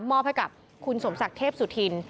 มอบให้กับคุณสมศักดิ์เทพสุธิน